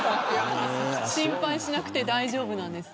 心配しなくて大丈夫なんですね。